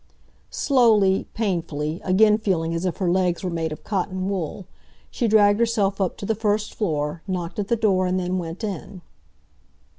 Slowly, painfully, again feeling as if her legs were made of cotton wool, she dragged herself up to the first floor, knocked at the door, and then went in.